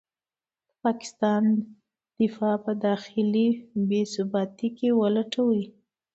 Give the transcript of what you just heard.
د پاکستان دفاع په داخلي بې ثباتۍ کې ولټوي.